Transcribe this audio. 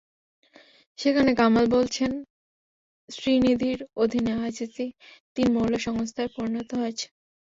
সেখানে কামাল বলেছেন, শ্রীনির অধীনে আইসিসি তিন মোড়লের সংস্থায় পরিণত হয়েছে।